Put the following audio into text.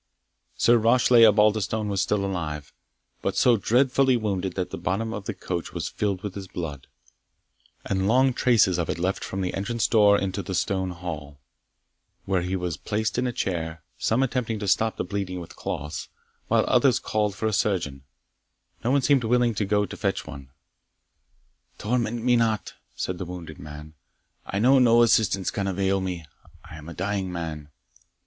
Sir Rashleigh Osbaldistone was still alive, but so dreadfully wounded that the bottom of the coach was filled with his blood, and long traces of it left from the entrance door into the stone hall, where he was placed in a chair, some attempting to stop the bleeding with cloths, while others called for a surgeon, and no one seemed willing to go to fetch one. "Torment me not," said the wounded man "I know no assistance can avail me I am a dying man."